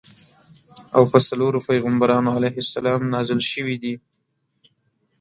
او په څلورو پیغمبرانو علیهم السلام نازل شویدي.